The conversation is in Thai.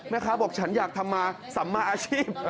บอกฉันอยากทำมาสัมมาอาชีพ